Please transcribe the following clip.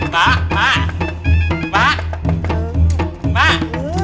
pak pak pak pak